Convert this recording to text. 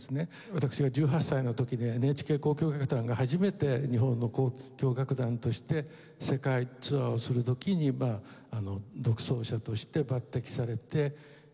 私が１８歳の時にＮＨＫ交響楽団が初めて日本の交響楽団として世界ツアーをする時に独奏者として抜擢されて行きました。